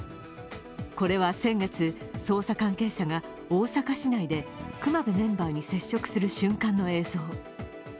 これは先月、捜査関係者が大阪市内で隈部メンバーに接触する瞬間の映像。